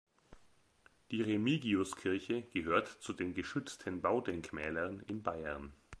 Die Remigiuskirche gehört zu den geschützten Baudenkmälern in Bayern.